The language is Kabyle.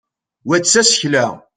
wa d tasekla